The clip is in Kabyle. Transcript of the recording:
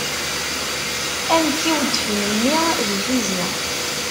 A nekk iweddfen mmi di tizi!